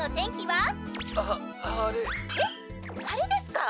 はれですか？